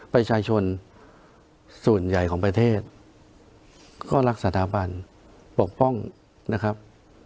ประชาชนส่วนใหญ่ของประเทศก็รักสถาบันปกป้องนะครับ